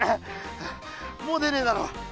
もう出ねえだろ。